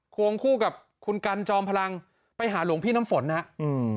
ควงคู่กับคุณกันจอมพลังไปหาหลวงพี่น้ำฝนนะครับอืม